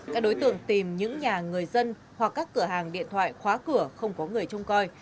các đối tượng tìm những nhà người dân hoặc các cửa hàng điện thoại khóa cửa không có người trông coi